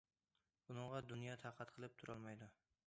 بۇنىڭغا دۇنيا تاقەت قىلىپ تۇرالمايدۇ.